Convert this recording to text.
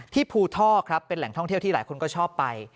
ภูท่อครับเป็นแหล่งท่องเที่ยวที่หลายคนก็ชอบไป